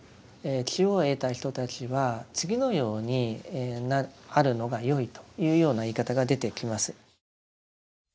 智慧を得た人たちは次のようにあるのがよいというような言い方が出てきます。